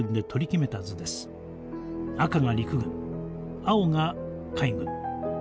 赤が陸軍青が海軍。